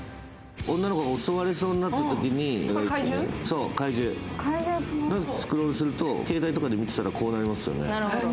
女の子が襲われそうになったときに、スクロールすると、携帯とかで見てたらこうなりますよね。